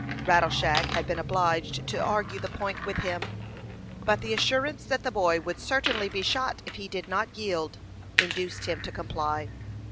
Rattleshag had been obliged to argue the point with him; but the assurance that the boy would certainly be shot if he did not yield, induced him to comply.